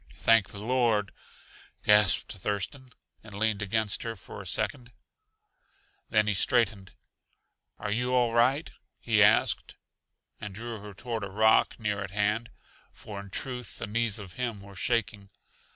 "Thank the Lord!" gasped Thurston, and leaned against her for a second. Then he straightened. "Are you all right?" he asked, and drew her toward a rock near at hand for in truth, the knees of him were shaking.